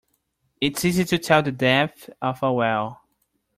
It's easy to tell the depth of a well.